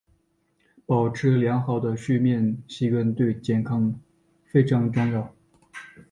保持良好的睡眠习惯对健康非常重要。